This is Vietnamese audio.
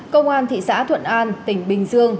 công an thị xã thuận an tỉnh bình dương